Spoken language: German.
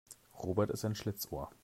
Robert ist ein Schlitzohr.